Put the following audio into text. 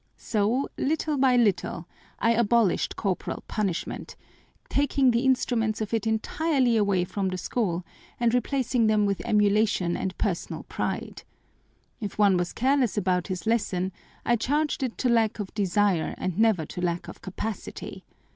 So, little by little, I abolished corporal punishment, taking the instruments of it entirely away from the school and replacing them with emulation and personal pride. If one was careless about his lesson, I charged it to lack of desire and never to lack of capacity.